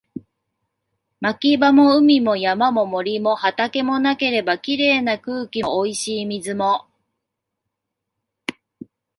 牧場も海も山も森も畑もなければ、綺麗な空気も美味しい水も